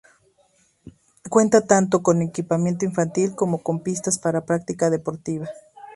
Cuenta tanto con equipamiento infantil como con pistas para la práctica deportiva.